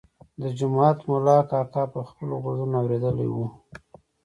د جومات ملا کاکا په خپلو غوږونو اورېدلی و.